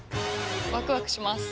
ワクワクします。